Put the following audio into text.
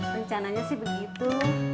rencananya sih begitu